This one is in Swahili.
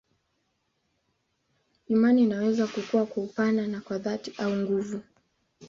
Imani inaweza kukua kwa upana na kwa dhati au nguvu.